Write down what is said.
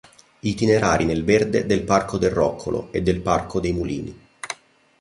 Itinerari nel verde del Parco del Roccolo e del Parco dei Mulini.